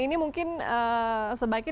ini mungkin sebaiknya